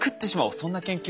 そんな研究もね